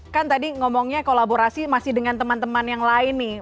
kan tadi ngomongnya kolaborasi masih dengan teman teman yang lain nih